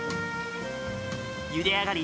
ゆで上がり